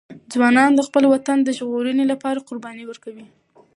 ځوانان د خپل وطن د ژغورنې لپاره قرباني ورکوي.